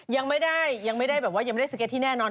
ยังไม่ได้ยังไม่ได้แบบว่ายังไม่ได้สเก็ตที่แน่นอน